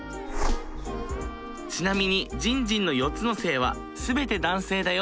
ちなみにじんじんの４つの性は全て男性だよ。